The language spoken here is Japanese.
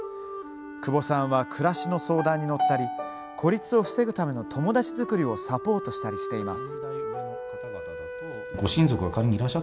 久保さんは暮らしの相談に乗ったり孤立を防ぐための友達作りをサポートしたりしています。